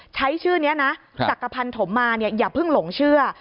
ใช้ชื่อนี้นะจักรพันธมมาเนี่ยอย่าเพิ่งหลงเชื่อ